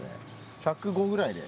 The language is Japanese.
１０５ぐらいで。